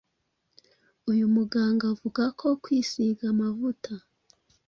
Uyu muganga avuga ko kwisiga amavuta